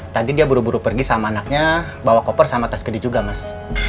tadi dia buru buru pergi sama anaknya bawa koper sama tas kedi juga mas